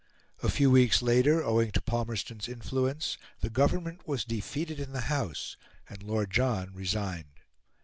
A few weeks later, owing to Palmerston's influence, the Government was defeated in the House, and Lord John resigned.